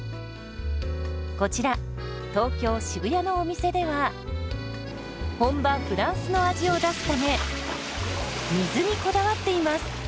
こちら東京・渋谷のお店では本場フランスの味を出すため水にこだわっています。